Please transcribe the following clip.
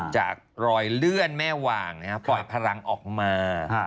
จากรอยเลื่อนแม่วางปล่อยพลังออกมา